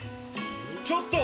ちょっと。